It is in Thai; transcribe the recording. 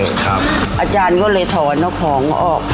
ครับอาจารย์ก็เลยถอนของออก